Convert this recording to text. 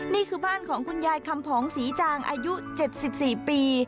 นี่คือบ้านของคุณยายคำผองศรีจางอายุ๗๔ปี